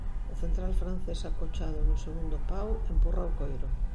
O central francés acochado no segundo pau empurra o coiro.